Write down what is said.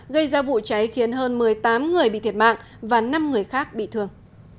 gây ra vụ cháy khiến hơn một mươi tám người bị thiệt mạng và năm người khác bị thương